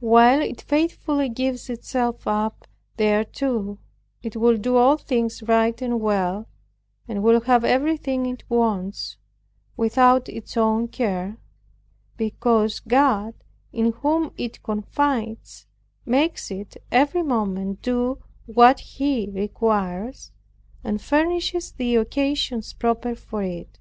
While it faithfully gives itself up thereto, it will do all things right and well, and will have everything it wants, without its own care; because God in whom it confides, makes it every moment do what He requires, and furnishes the occasions proper for it.